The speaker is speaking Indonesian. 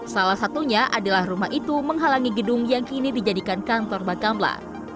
salah satunya adalah rumah itu menghalangi gedung yang kini dijadikan kantor bakamla